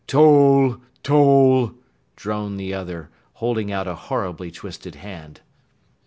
"Toll, Toll!" droned the other, holding out a horribly twisted hand.